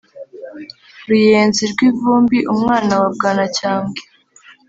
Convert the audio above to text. Ruyenzi rw’ivumbi umwana wa Bwanacyambwe,